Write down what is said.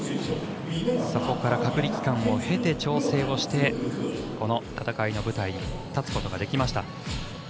そこから隔離期間を経て調整をして、戦いの舞台に立つことができました。